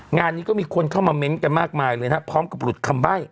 งานนี้ก็มีคนเข้ามาเม้นต์กันมากมายเลยนะครับพร้อมกับหลุดคำใบ้